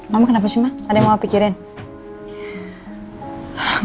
mama kenapa sih mbak ada yang mau pikirin